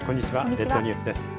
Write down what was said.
列島ニュースです。